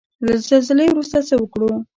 له زلزلې وروسته څه وکړو؟